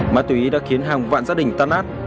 ma túy đã khiến hàng vạn gia đình tan át